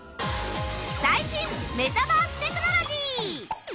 最新メタバーステクノロジー